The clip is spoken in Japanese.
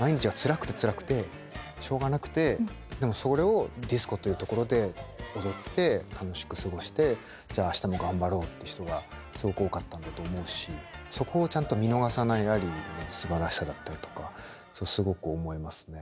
毎日がつらくてつらくてしょうがなくてでもそれをディスコという所で踊って楽しく過ごしてじゃあ明日も頑張ろうっていう人がすごく多かったんだと思うしそこをちゃんと見逃さないアリーのすばらしさだったりとかすごく思いますね。